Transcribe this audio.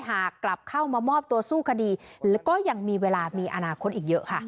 กลับเข้ามามอบตัวสู้คดีแล้วก็ยังมีเวลามีอนาคตอีกเยอะค่ะ